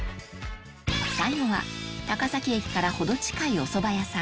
最後は高崎駅から程近いお蕎麦屋さん